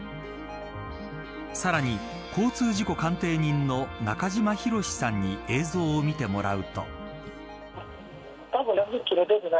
さらに交通事故鑑定人の中島博史さんに映像を見てもらうと。